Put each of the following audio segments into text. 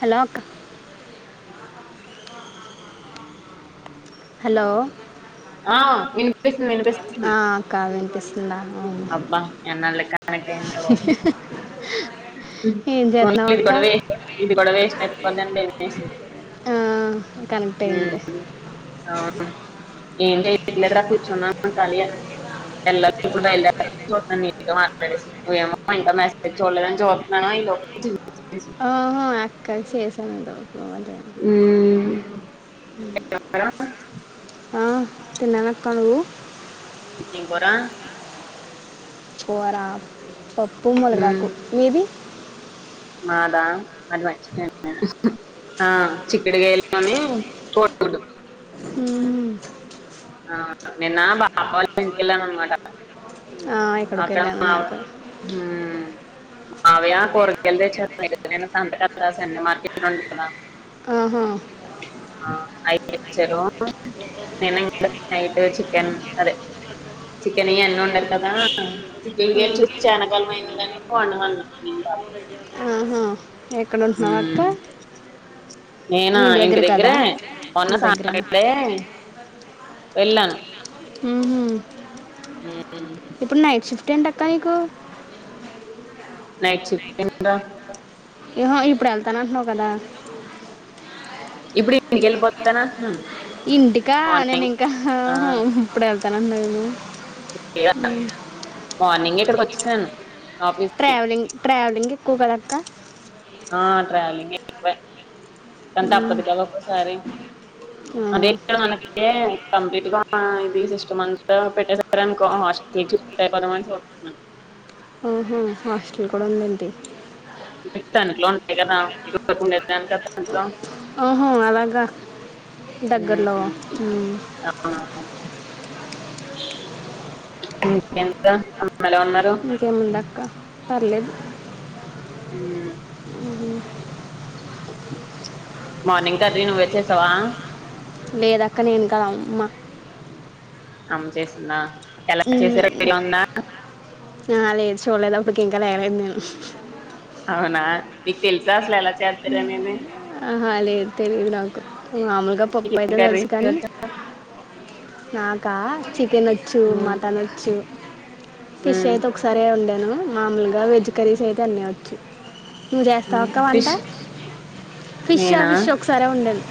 [inaudible] హలాక్ [inaudible] hello ఆ వినిపిస్తుంది వినిపిస్తుంది ఆ, అక్క వినిపిస్తుందా అవును. వ అబ్బా ఎన్నాళ్ళకు కనెక్ట్ అయిందొ ఏం చేస్తున్నావు ఇ అక్క కూడా వేస్ట్ ఇది కూడా వేస్ట్ అయి పన్నండే ఆ కనక్ట్ అయిందిలే ఎట్ల కూర్చున్నా [unintelligible] ఇప్పుడు బయలుదే చతో మాట్లాడే నువ్వేమో ఇం మసజ్ [unintelligible] [unintelligible] చలేద జవాబ్ అ [unintelligible] ఆహా అక్క చేసడు ఉమ్, కూర? తిన్నాను అక్కా నువ్వు ఏమ్ కూర కోరా పప్పు ఉమ్, మొలగాకు మీది మాదా ఉ ఆ నిన్న బాప వాళ్ళ వెంటికెళ్ళను అనమాట ఆ, ఎక్కడికి అక్క వెళ్ళాను మావ ఇందాక మావయా కూరగాయలు తెచ్చాడు సంత క స అడి మార్కెట్ ఉడు [unintelligible] ఆహా కేచ్చర అదే చికెన్ ఇ అన్నీ ఉండరు కదా చికెన్ గయలు చూసి చాలకలం అయిందని వండమన్నరు నేను బా ఆ, ఆహా ఎక్కడ ఉ ఉంటున్నావు అక్క నేనా మీ ఇంటి దగ్గర కదా దగ్గరే కొన్న మీ సా దగ్గర ఇడే యెల్లను హ హు టెన్ కనీకు నైట్ షిఫ్ట్ [unintelligible] హో ఇప్పుడు వెళ్తాన అంటున్నావు కదా ఇప్పుడు ఇంకెళ్ళిపోతారా అంటున్నాను ఇంటికా నేను మార్నింగ్ ఇంకా ఇప్పుడు వెళ్తాను [unintelligible] అండైదు మార్నింగె ఇక్కడికి వచ్చేసాను ఆఫీస్ కి ట్రావలింగ్ ట్ర్రావలింగ్ కు కడక్క ఆ ట్రావెలింగే కానీ మ్మ్. తప్పదు కదా ఒక్కసారి ఆ, అదే మనకి కంప్లీట్ గా ఇది సిస్ట్ మంత్ పెట్టేసార్ అనుకో హాస్టల్ షిప్ట ్చూ అయిపోదామని చూస్తున్న ఆహా హాస్టల్ కూడా ఉందెంటి తనుకు లో ఉంటాయి కదా [unintelligible] ఇదికుండేనుకద తనిలో హ అలాగ దగ్గరలో ఉమ్, ఉ అవునా. ఎంత ఇంకేంముందక్క పర్లేదు ఉ ఉహు మార్నింగ్ [unintelligible] తరనీ ను వచ్చేసావా లేదక్క నేనుకాద్ అమ్మ అమ్మ చేసిందా ఎలా చేసారో ఐడియా ఉందా అ లేద్ చులేద్ ప్పుకి [unintelligible] ఇంకా లేవలేదు నేను అవునా మీక్ తెల్సా అసల్ ఎలా చేస్తారా నేను ఆహా లేద్ తెలియదు నాకు మామూలుగా పప్పు అయితే చికెన్ కర్రీ తెలుసు కానీ నాక్ కా చి క కెన్ వచ్చు మటన్ వచ్చు ఫిష్ అయితే ఒకసారిే వండాను మామూలుగా వెజ్ కర్రీస్ అయితే అన్ని వచ్చు నువ్వు చేస్తావక్కవంట ఫిష్ ఫిష్ ఆ నేనా ఫిష్ ఒకసారే వండాను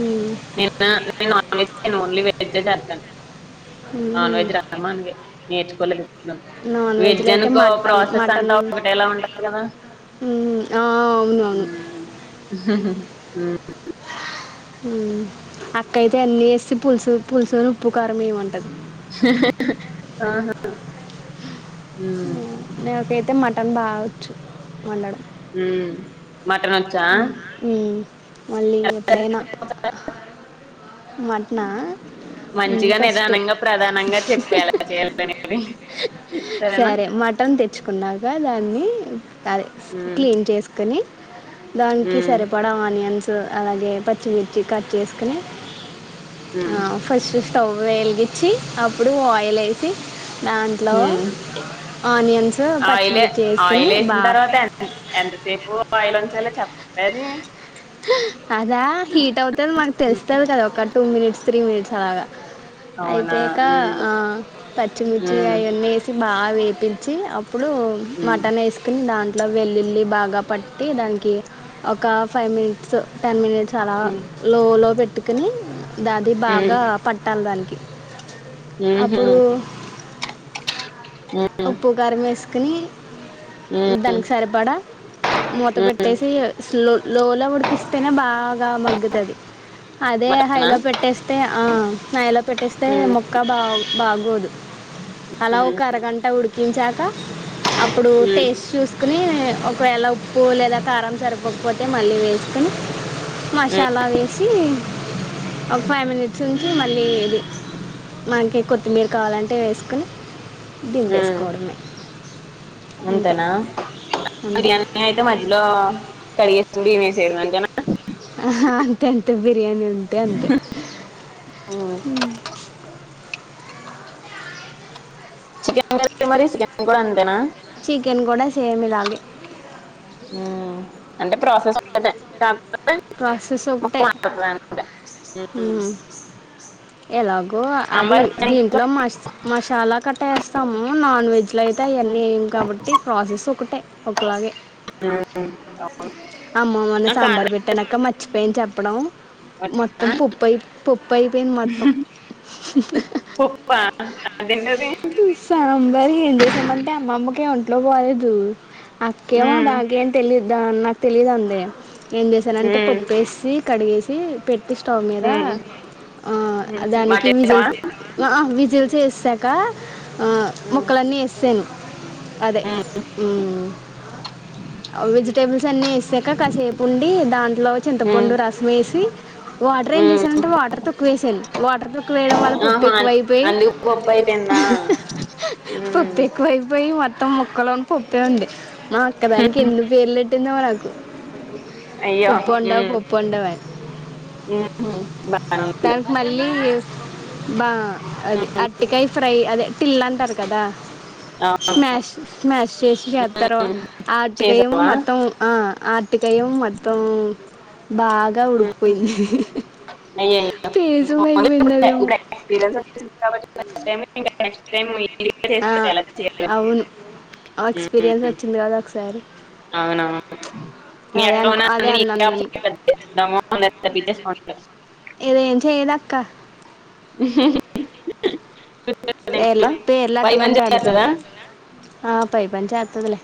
మ్మ్. నిన్న నాన్ వెెజ్ ఓన్లీ వెజ్ చేతాన్ మ్మ్. నాన్వెజ్ రాద్ మనకి నేర్చుకోలేద్ నాన్ వెజ్ వెజ్లో అయితే అనుకో మటన్ ప్రాసెస్ మటన్ అంతా ఒకటేలా ఉంటది కదా మ్మ్. ఆ అవును అవును ఉమ్ హు హమ్ అక్కయితే అన్ని యేస్త పులుసు పులుసుని ఉప్పు కారం ఏమంటది. ఆహా ఆహా మ్మ్. హమ్ నకైతే మత్ టాన్ బాగొచ్చు వండడం మ్మ్. మటన్ వచ్చా ఉహ్ మళ్ళీ ఎప్పుడైనా ముట్టనా మంచిగా నిదానంగా ప్రధానంగా చెప్పు ఎలా చేయాలనేది సరేనా? కున్నాకా దాన్ని అదే మ్మ్. క్లీన్ చేసుకొని దానికి మ్మ్. సరిపడ ఆనియన్స్ అలాగే పచ్చిమిర్చి కట్ చేసుకొని మ్మ్. ఆ ఫస్ట్ స్టవ్ వెలిగించి అప్పుడు ఆయిల్ యేసి హమ్ ఆయిలే పచ్చిమిర్చి వేసుకుని ఆయిలేసిన బాగా తర్వాత ఎ ఎంతసేపు? బాయిలుంచాలో చెప్పలేదే అదా హీట్ అవుతుంది మాకు తెలుస్తంది కదా ఒక్ టూ మినిట్స్ త్రీ మినిట్స్ అలాగా అవునా అయిపోయాక మ్మ్. ఆ పచ్చిమిర్చి మ్మ్. అయి అని వేసి బాగా వే పిల్చి అప్ ఇప్పుడు మ్మ్. మటన్ ఏస్కోన్ దాంట్ ఇట్లా వెల్లిల్లి బాగా పట్టి దానికి ఒక ఫైవ్ మిన్ స్ టెన్ మినిట్స్ చాలా మ్మ్. లోలో పెట్టుకుని దా అది బాగా పట్టాలి దాన్కి మ్మ్. అప్పుడు మ్మ్. ఉమ్, ఉప్పు కారం వేస్ [unintelligible] ఉమ్, దానికి సరిపడా మూత ఉమ్, పెట్టేసి స్లో లోలో ఉడ్ క్కిస్తేనే బాగా మగ్గుతది అదే మటనా హైలో పెట్టేస్తే ఆ హైలో పెట్టేస్తే ఉమ్, మొక్క బా బాగోదు అలా ఉమ్, ఒక అరగంట ఉడుకు కించాక అప్పుడు ఉమ్, టేస్ట్ చూసుకుని ఒకవేళ ఉప్పు లేదా కారం సరిపోకపోతే మళ్ళీ వేస్త సుకని ఉమ్, మసాలా వేసి ఒక ఫైవ్ మినిట్స్ నుంచి మళ్ళీ ఇది మనకి కొత్తిమీర కావాలంటే వేసుకొని ఉమ్ అంతే అంతేనా అంతే బిర్యానీ అయితే మధ్యలో కడిగేసుకొని బియ్యం వేసేయడం అంతేనా ఆహా అంతే అంతే బిర్యానీ అంతే అంతే ఉమ్, చికెన్ కర్రీ మరి చికెన్ కూడా అంతేనా చికెన్ కూడా సేమ్ ఇలాగే అంటే ప్రాసెస్ కాకపోతే ప్రాసెస్ ఒకటే మొత్తం మారుతది అంతే ఉమ్ ఎలా గో అది సాంబార్ దానికి దీంట్లో మ మసాలా ఒకటి ఏస్తాము నాన్ వెజ్ అట్లయితే ఉమ్, అయన్నీ వేయము కాబట్టి ప్రాసెస్ ఒకటే ఒకలాగే అమ్మో మొన్న ఆ కాదు సాంబార్ పెట్టానక మర్చిపోయాను చెప్పడం మొత్తం పప్పుయి పొప్పా అదేంది అది సాంబార్ ఏం చేసామంటే అమ్మమ్మకి ఒంట్లో బాగాలేదు అక్కేమో ఉమ్, దానికేం తెలిదు దా నాకు తెలిదంది ఏం చేసానంటే ఉమ్, పప్పేసి కడిగేసి పెట్ స్టవ్ మీద ఉమ్, ఆ ఉమ్, దానికి విజిల్ మార్చేసావా ఆ విజిల్ చే శకా ఉమ్, మొక్కలన్నీ వేస్తాను అదే ఉమ్, వెజిటేబుల్స్ అన్నీ వేస్తాక కాసేపు ఉండి దాంట్లో ఉమ్, చింతపండు రసం వేసి వాటర్ ఏం ఉమ్. చేశానంటే వాటర్ తక్కువేసాను వాటర్ ప్రూఫ్ ఆహా అందు పొప్ప అయితే పప్పు ఎక్కువైపోయి మొత్తం ముక్కలోని పొప్పేఉంది మా అక్కదానికి ఎన్నో పేర్లు పెట్టిందో నాకు అయ్యో పప్పు వండవు ఉమ్ పప్పు వండవు అని [inaudible] దానికి మళ్ళీ బా అది అరటికాయ ఫ్రై అదే టిల్ల అంటారు కదా ఆ స్మాష్ స్మాష్ చేసి చేత్తారూ ఉమ్ ఆ అరటికాయమో చేసావా మొత్తం ఆ అరటికాయమో మొత్తం బాగా ఉమ్ ఉడుకుపోయింది [inaudible] [inaudible] నెక్స్ట్ టైమ్ ఆ అవును ఉమ్ ఎక్స్పీరియన్స్ వచ్చింది కదా ఒకసారి. అవునవును ప్చ్ మీ అదే అక్క అనుకో ఉన్న అదే అన్ని అన్నాను నీకే నేను. [inaudible] ఇదేం చేయదక్క. [inaudible] పేర్ల్ ఇంట్లో పేర్ల్ పై పని లట్టమంటే చేత్తదా అడుతది. ఆ పైపని చేత్తదిలే.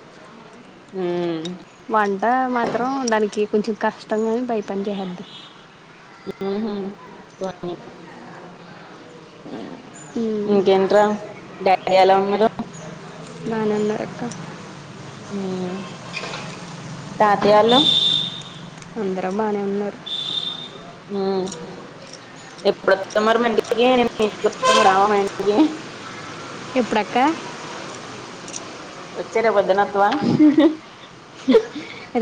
ఉమ్ వంటా మాద్ మాత్రం దానికి కొంచెం కష్టంగాని బయట పని చేశేద్ది. ఊహూ [inaudible] ఆ ఇంకేంట్రా, డాడీ ఎలా ఉన్నారూ. బానెవున్నారు అక్క. హ్మ్ తాతెయ్యోలు అందరం బాగానే ఉన్నారు. ఉమ్ ఎప్పుడొత్తావ్ మరి మా ఇంటికి నేను మీ ఇంటికి వచ్చా నువ్వు రావా మా ఇంటికి ఇప్పుడెక్కడ వచ్చెయ్ రేప్ పొద్దునొత్వా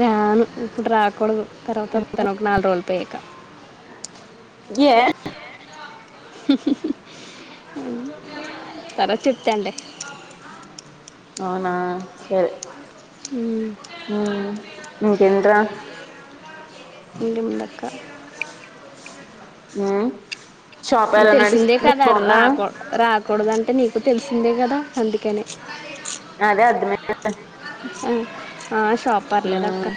రాను ఇప్పుడు రాకూడదు తర్వాత వత్తను ఒక నాలుగురోజులు అయికా ఏ తర్వాత చెప్తాన్లే అవునా సరే ఉమ్ హ్మ్ ఇంకేట్రా ఇంకేముందక్క ఆ తెలిసిందే కదా రాకు రా కూడదంటే నీకు తెలిసిందే కదా అందుకనే. అదే అర్థమై [inaudible] అ ఆ షాప్ పర్లేదు అక్క ఉమ్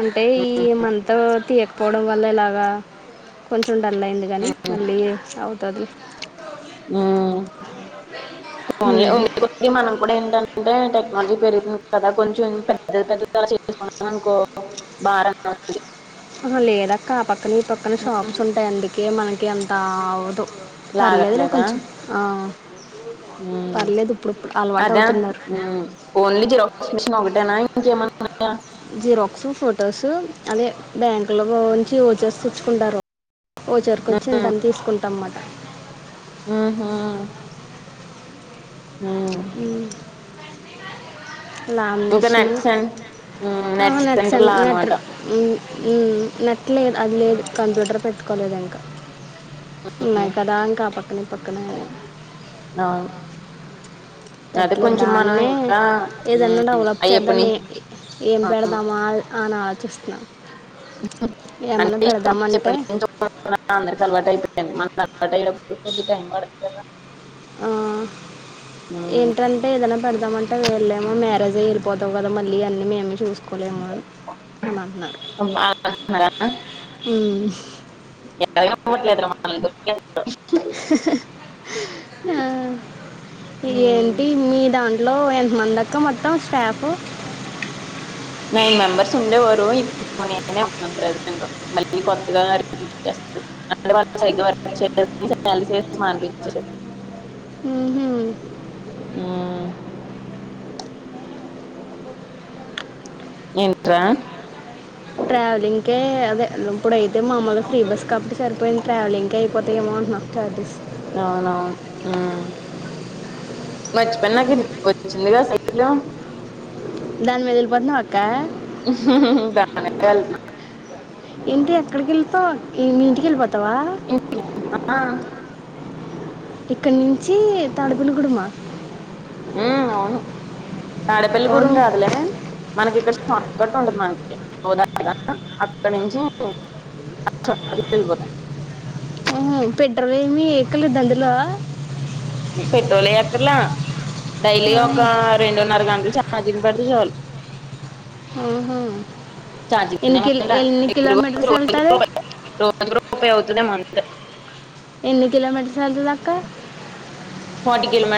అంటే ఈ ఉమ్ మంతా తీయకపోవ డం వల్ల ఇలాగా కొంచ్ డల్ అయింది కానీ ఉమ్ మళ్ళీ అవుతాది లే ఉమ్ ఓన్లీ ఉండే కొద్ది మనం కూడా ఏంటం అంటే టెక్నాలజీ పెరిగింది కదా కొంచెం పెద్ద పెద్ద త చేసుకున్నాం అనుకో భారం తగ్గుతుంది ఆహ లేదక్క ఆ పక్కన ఈ పక్కన ఉమ్ షాప్స్ ఉంటాయి అందుకే మనకి కే అంత అవ్వదు లాగట్లేదా ఉమ్ పర్లేదు ఇప్పుడిప్పుడు అలవాటు అదా అవుతున్నారు ఓన్లీ జిరాక్స్ మెషీన్ ఒకటేనా ఇంక ఏమన్నా ఉన్నా జిరాక్స్ ఫోట్ ఫొటోస్ అదే బ్యాంకు లోంచి వోచర్స్ తేచ్చుకుంటారు ఓచర్ కొచ్చి ఇంతన్ని తీసుకుంటాన్నమాట ఉహు ఉ ఇంకా లామినేషను నెట్స్ ఆహా, నెట్స్ నట్స్ అన్- సెంటర్లా నట్ అనమాట ఉమ్, ఉమ్ నెట్లేదు అది లేదు కంప్యూటర్ పెట్టుకోలేదు ఇంకా న్నాయి మ్మ్ కదా ఇంకా పక్కన పక్కనే అని అవును అదే పెట్టలేదు కొంచెం మనం దాన్నే ఇంకా ఏదన్నా మ్మ్ డెవలప్ అయ్యప్పని చేద్దని ఏం అవును పెడదామా అని ఆ చిస్త్న అంటే పెడదామంటే [inaudible] అందరికి అలవాటు అయిపోయింది మన [inaudible] కొద్దిగా టైం పడతది కదా ఆ మ్మ్ ఏంటంటే ఏదనా పెడదామంటే విళ్ళేమో మే వెళ్ళిపోతావు కదా మళ్ళీ అన్ని మేమే చూసుకోలేము అని అని అంటున్నారు అలా అంటున్నారా ఉమ్ [inaudible] ఆ మ్మ్ ఏంటి మీద అం హలో ఎంతమంది అక్క మొత్తం స్టాఫు నైన్ మెంబర్స్ ఉండేవారు ఇప్పు నీ నైనే ఉన్నాం ప్రెసెంట్ మళ్ళీ కొత్తగా [inaudible] అంటే వాళ్లు సరిగ్గా వర్క్ చేయలేదని [inaudible] మానిపించారు ఉహు ఉమ్ ఏంట్రా ట్రావెలింగ్కే అదే ఇప్పుడైతే మామూలుగా ఫ్రీ బస్ కాబట్టి సరిపోయింది ట్రావెలింగ్కే అయిపోతాయి ఏమో అంటున్న చార్జెస్ అవునవును మర్చిపోయిన నాకు వచ్చిందిగా [inaudible] దాని మీద నిలబడిన దా [inaudible] ఏళ్తున్నా [unintelligible] ఈమీడి నీల్ బోతావా ఇంకా, ఇక్కడి నుంచి తాడపని గుడమా మ్మ్ అవును తాడేపల్లి కొడుకు కాదులే [inaudible] [unintelligible] ఎక్కండి బండిలో మ్ పెట్రోల్ ఎయ్యాక్కర్ల డైలీ ఒక ఆహా, రెండున్నర గంటలు ఛార్జింగ్ పడ్తే చాలు హ్మ్ హు ఛార్జింగ్ ఎన్ని కిలో ఏమంటా ఎన్ని నీకు రోజు కిలోమీటర్స్ రోజుకు వెల్తాది రూపాయి రోజుకు [unintelligible] ఎన్ని కిలోమీట వెళ్తాదక్కా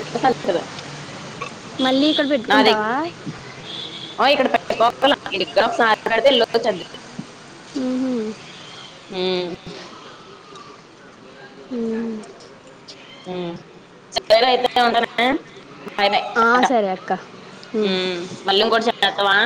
[unintelligible] ఇక్కడ అది పెట్టుకుంటావా ఓ ఇక్కడ [unintelligible] [unintelligible] మ్మ్ హు మ్మ్ మ్మ్ మ్ సరే అయితే ఉంటనే ఆ, [unintelligible] సరే అక్క ఉమ్. హ్మ్ మళ్ళీ ఇంక్కోటి చేస్తావా